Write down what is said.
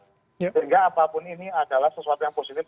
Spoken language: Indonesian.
sehingga apapun ini adalah sesuatu yang positif